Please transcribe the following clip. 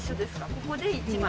ここで１枚。